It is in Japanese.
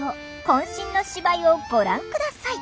こん身の芝居をご覧下さい。